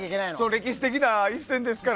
歴史的な一戦ですからね。